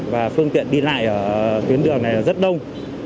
và phương tiện đi lại ở tuyến đường này rất đông